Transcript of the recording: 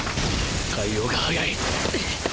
対応が早い。